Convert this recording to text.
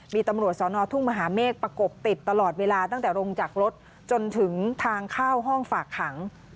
มีตำรวจสอนอทุ่งมหาเมฆประกบติดตลอดเวลาตั้งแต่ลงจากรถจนถึงทางเข้าห้องฝากขัง